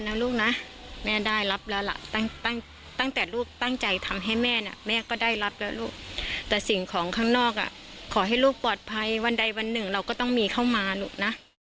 ลูกนะแม่ได้รับแล้วล่ะตั้งแต่ลูกตั้งใจทำให้แม่น่ะแม่ก็ได้รับแล้วลูกแต่สิ่งของข้างนอกอ่ะขอให้ลูกปลอดภัยวันใดวันหนึ่งเราก็ต้องมีเข้ามาลูกนะ